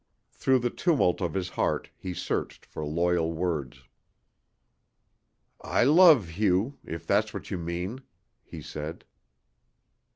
Through the tumult of his heart he searched for loyal words. "I love Hugh if that's what you mean," he said.